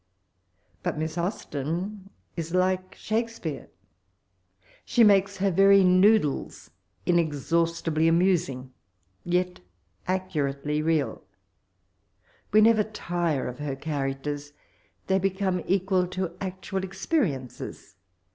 But Mira Austen is like Shakespeare : she makes her very noodles inex haustibly amusing, yet accurately real, we never tire of her charac ters. They become equal to actual experiences.